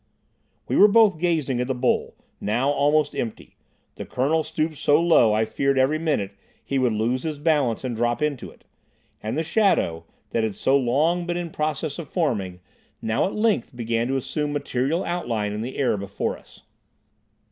We were both gazing at the bowl, now almost empty; the Colonel stooped so low I feared every minute he would lose his balance and drop into it; and the shadow, that had so long been in process of forming, now at length began to assume material outline in the air before us.